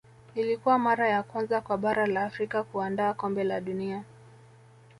ilikuwa mara ya kwanza kwa bara la afrika kuandaa kombe la dunia